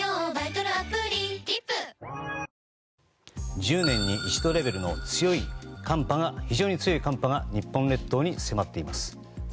１０年に一度レベルの非常に強い寒波が日本列島に迫っています。